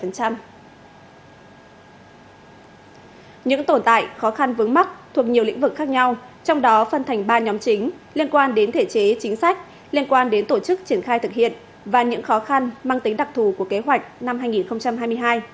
những tồn tại khó khăn vướng mắt thuộc nhiều lĩnh vực khác nhau trong đó phân thành ba nhóm chính liên quan đến thể chế chính sách liên quan đến tổ chức triển khai thực hiện và những khó khăn mang tính đặc thù của kế hoạch năm hai nghìn hai mươi hai